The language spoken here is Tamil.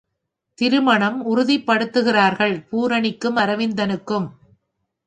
திருமணம் உறுதிப்படுத்துகிறார்கள் பூரணிக்கும் அரவிந்தனுக்கும்.